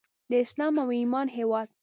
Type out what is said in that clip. د اسلام او ایمان هیواد.